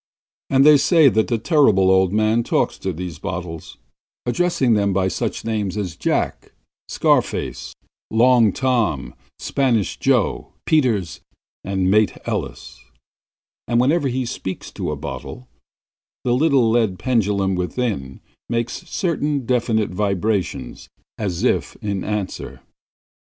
And they say that the Terrible Old Man talks to these bottles, addressing them by such names as Jack, Scar Face, Long Tom, Spanish Joe, Peters and Mate Ellis, and that whenever he speaks to a bottle the little lead pendulum within makes certain definite vibrations as if in answer.